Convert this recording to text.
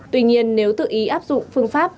tuy nhiên nếu tự ý áp dụng phương pháp